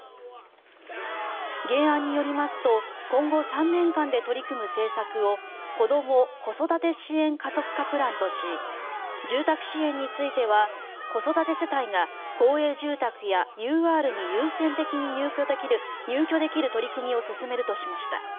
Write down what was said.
原案によりますと今後３年間で取り組む政策を子ども・子育て支援加速化プランとし住宅支援については子育て世帯が公営住宅やＵＲに優先的に入居できる取り組みを進めるとしました。